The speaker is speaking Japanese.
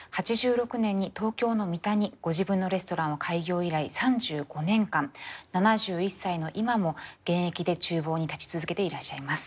８６年に東京の三田にご自分のレストランを開業以来３５年間７１歳の今も現役で厨房に立ち続けていらっしゃいます。